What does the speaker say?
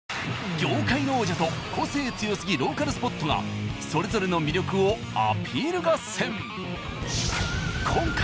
業界の王者と個性強すぎローカルスポットがそれぞれの魅力をアピール合戦！